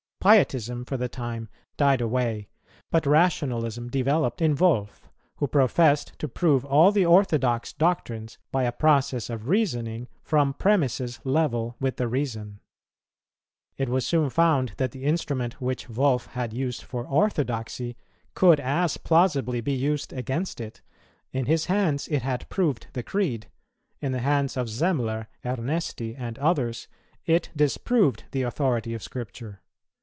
Pietism for the time died away; but rationalism developed in Wolf, who professed to prove all the orthodox doctrines, by a process of reasoning, from premisses level with the reason. It was soon found that the instrument which Wolf had used for orthodoxy, could as plausibly be used against it; in his hands it had proved the Creed; in the hands of Semler, Ernesti, and others, it disproved the authority of Scripture.